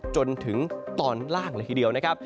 จนถึงตอนล่างเลยทีเดียวนะครับ